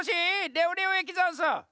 レオレオえきざんす！